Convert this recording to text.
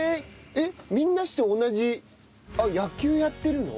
えっみんなして同じあっ野球やってるの？